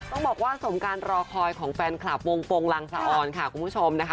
ต้องบอกว่าสมการรอคอยของแฟนคลับวงฟงลังสะออนค่ะคุณผู้ชมนะคะ